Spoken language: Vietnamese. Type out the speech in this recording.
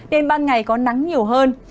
đến ban ngày có nắng nhiều hơn